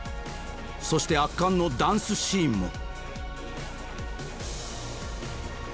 そして圧巻のダンスシーンも。